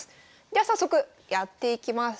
では早速やっていきます。